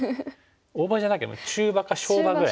大場じゃなきゃ中場か小場ぐらい。